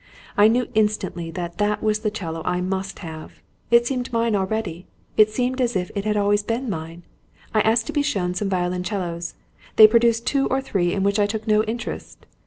I knew instantly that that was the 'cello I must have. It seemed mine already. It seemed as if it always had been mine. I asked to be shown some violoncellos. They produced two or three, in which I took no interest.